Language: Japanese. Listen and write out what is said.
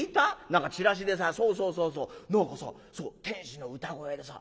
何かチラシでさそうそうそうそう何かさ天使の歌声でさ